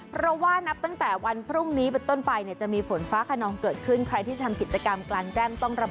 เพราะว่านับตั้งแต่วันพรุ่งนี้ต้นไปจะมีฝนฟ้าขนองเกิดขึ้น